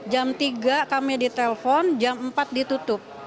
jam tiga kami ditelepon jam empat ditutup